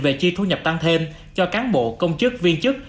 về chi thu nhập tăng thêm cho cán bộ công chức viên chức